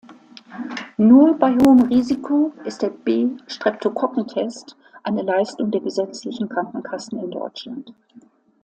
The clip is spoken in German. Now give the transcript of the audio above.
Nur bei hohem Risiko ist der B-Streptokokken-Test eine Leistung der gesetzlichen Krankenkassen in Deutschland.